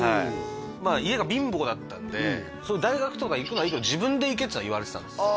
まあ家が貧乏だったんで「大学とか行くのはいいけど自分で行け」っていうのは言われてたんですよ